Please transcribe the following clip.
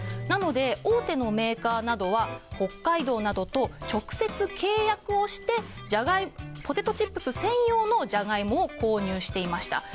なので、大手のメーカーなどは北海道などと直接契約をしてポテトチップス専用のジャガイモを購入していました。